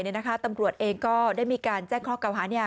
ตำรวจเองก็ได้มีการแจ้งข้อเก่าหา